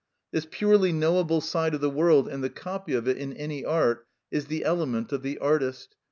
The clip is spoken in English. This purely knowable side of the world, and the copy of it in any art, is the element of the artist.